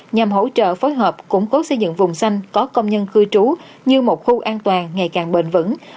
nhằm hỗ trợ phối hợp củng cố xây dựng vùng xanh có công nhân cư trú như một khu an toàn ngày càng bền vững